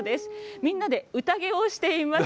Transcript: みんなで宴をしています。